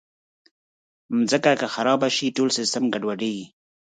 مځکه که خراب شي، ټول سیسټم ګډوډېږي.